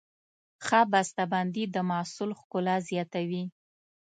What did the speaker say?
ښه بسته بندي د محصول ښکلا زیاتوي.